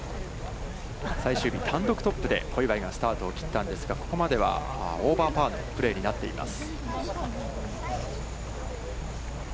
最終日、単独トップで、小祝がスタートを切ったんですが、ここまでは、オーバーパーのプレーになっています。